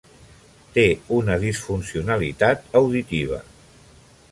Té una disfuncionalitat auditiva.